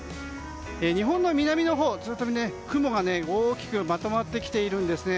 日本の南のほうずっと雲が大きくまとまってきているんですね。